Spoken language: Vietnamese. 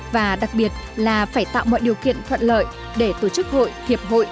và đặc biệt là phải tạo mọi điều kiện thuận lợi để tổ chức hội hiệp hội